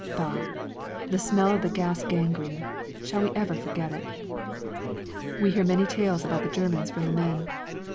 Bah! the smell of the gas gangrene shall we ever forget it? We hear many tales about the Germans from the men.